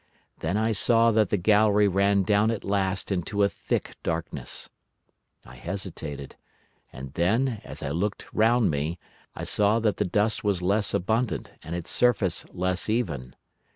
Then I saw that the gallery ran down at last into a thick darkness. I hesitated, and then, as I looked round me, I saw that the dust was less abundant and its surface less even.